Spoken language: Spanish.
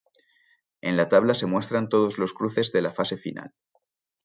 En la tabla se muestran todos los cruces de la fase final.